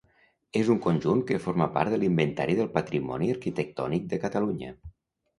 És un conjunt que forma part de l'Inventari del Patrimoni Arquitectònic de Catalunya.